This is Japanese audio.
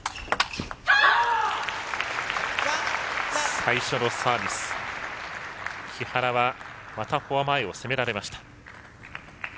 最初のサービス木原はまたフォア前を攻められました。